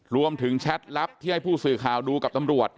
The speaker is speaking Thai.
แชทลับที่ให้ผู้สื่อข่าวดูกับตำรวจ